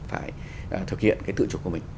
phải thực hiện cái tự chủ của mình